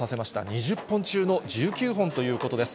２０本中の１９本ということです。